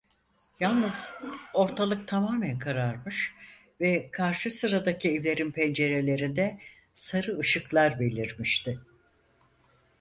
Yalnız ortalık tamamen kararmış ve karşı sıradaki evlerin pencerelerinde sarı ışıklar belirmişti.